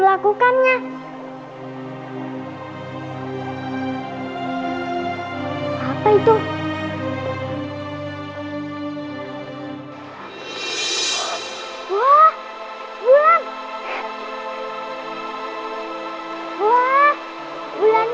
wah bulannya besar sekali